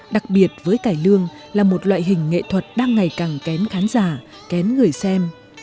đặc biệt với cải lương là một loại hình nghệ thuật đang ngày càng kén khán giả kén người xem